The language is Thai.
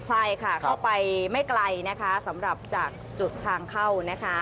ใช่ค่ะเข้าไปไม่ไกลสำหรับจุดทางเข้า